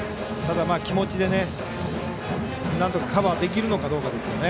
気持ちでなんとかカバーできるのかどうかですね。